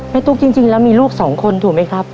ตุ๊กจริงแล้วมีลูกสองคนถูกไหมครับ